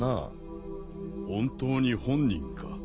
本当に本人か？